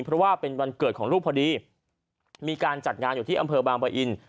เพราะว่าเป็นวันเกิดของลูกพอดีมีการจัดงานอยู่ที่อำเภอบางปะอิน